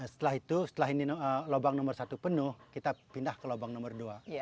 setelah itu setelah ini lubang nomor satu penuh kita pindah ke lubang nomor dua